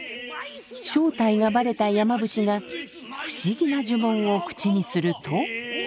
正体がバレた山伏が不思議な呪文を口にすると。